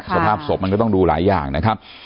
สภาพศพมันก็ต้องดูหลายอย่างนะครับ